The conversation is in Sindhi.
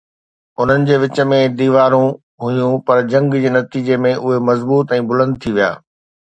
انهن جي وچ ۾ ديوارون هيون، پر جنگ جي نتيجي ۾ اهي مضبوط ۽ بلند ٿي ويا.